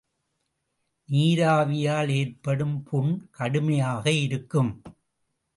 நீராவியால் ஏற்படும் புண் கடுமையாக இருக்கும்.